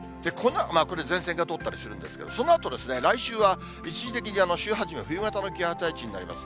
これ、前線が通ったりするんですけど、そのあと、来週は一時的に週はじめ、冬型の気圧配置になります。